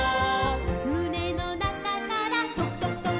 「むねのなかからとくとくとく」